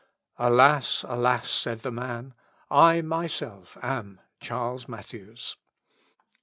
"Alas! Alas!" said the man, "I myself am Charles Mathews."